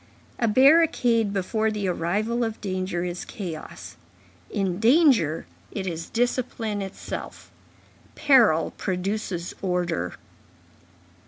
A barricade before the arrival of danger is chaos; in danger, it is discipline itself. Peril produces order.